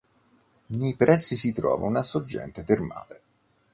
Nei pressi si trova una sorgente termale.